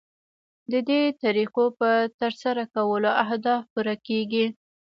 ددې طریقو په ترسره کولو اهداف پوره کیږي.